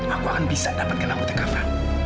aku akan bisa dapetkan amputai kafa